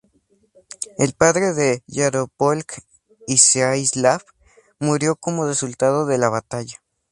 El padre de Yaropolk, Iziaslav, murió como resultado de la batalla.